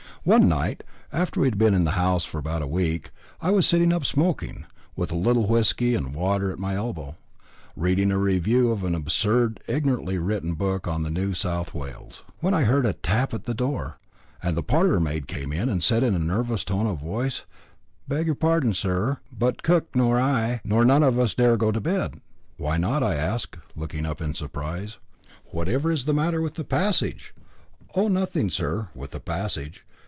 One night, after we had been in the house about a week, I was sitting up smoking, with a little whisky and water at my elbow, reading a review of an absurd, ignorantly written book on New South Wales, when I heard a tap at the door, and the parlourmaid came in, and said in a nervous tone of voice: "Beg your pardon, sir, but cook nor I, nor none of us dare go to bed." "Why not?" I asked, looking up in surprise. "Please, sir, we dursn't go into the passage to get to our rooms." "Whatever is the matter with the passage?" "Oh, nothing, sir, with the passage.